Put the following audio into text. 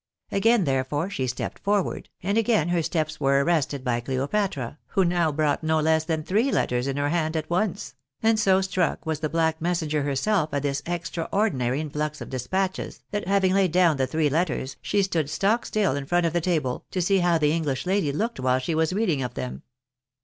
Again, therefore, she stepped forward, and again her steps were arrested by Cleopatra, who now brought no less than three letters in her hand at once ; and so struck was the black messenger herself at this extraordinary influx ot despatches, that having laid down the three letters, she stood stock still in front of the table, to see how the Enghsh lady looked while she was a reading of them.